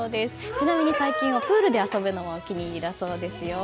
ちなみに最近はプールで遊ぶのもお気に入りだそうですよ。